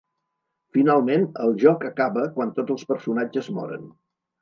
Finalment, el joc acaba quan tots els personatges moren.